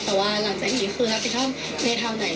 แต่ว่าหลังจากนี้คือรับผิดชอบในทางไหน